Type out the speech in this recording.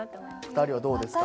２人はどうですか？